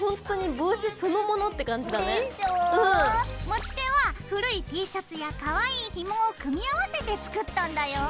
持ち手は古いＴシャツやかわいいひもを組み合わせて作ったんだよ。